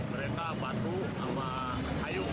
mereka batu sama kayu